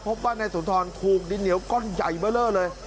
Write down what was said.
พบว่านายสุนทรถูกดินเหนียวก้อนใหญ่เบอร์เลอร์เลย